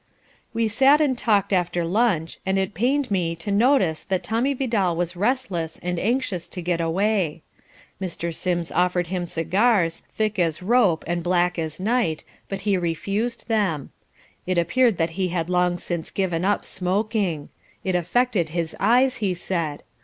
We sat and talked after lunch, and it pained me to notice that Tommy Vidal was restless and anxious to get away. Mr. Sims offered him cigars, thick as ropes and black as night, but he refused them. It appeared that he had long since given up smoking. It affected his eyes, he said.